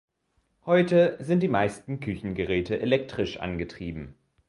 Heute sind die meisten Küchengeräte elektrisch angetrieben.